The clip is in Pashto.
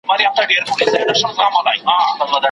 ولي بې باوري تل د اضطراب او شک لامل کېږي؟